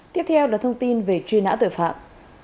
tiếp theo là thông tin về truy nã tội phạm